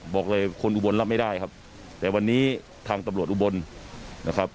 บอกเลยคนอุบลรับไม่ได้ครับแต่วันนี้ทางตำรวจอุบลนะครับ